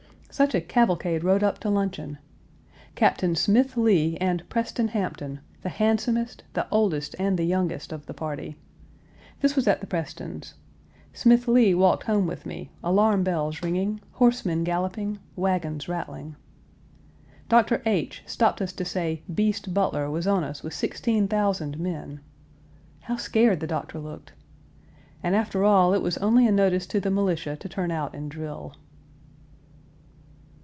Such a cavalcade rode up to luncheon! Captain Smith Lee and Preston Hampton, the handsomest, the oldest and the youngest of the party. This was at the Prestons'. Smith Lee walked home with me; alarm bells ringing; horsemen galloping; wagons rattling. Dr. H. stopped us to say "Beast" Butler was on us with sixteen thousand men. How scared the Doctor looked! And, after all, it was only a notice to the militia to turn out and drill.